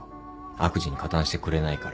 悪事に加担してくれないから。